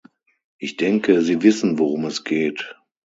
Ich denke, Sie wissen, worum es geht.